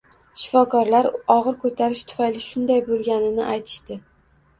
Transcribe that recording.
Shifokorlar og`ir ko`tarish tufayli shunday bo`lganini aytishdi